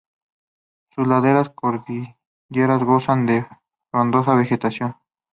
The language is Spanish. Sus laderas cordilleranas gozan de una frondosa vegetación.